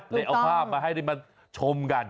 และเอาภาพมาให้เรามาชมกัน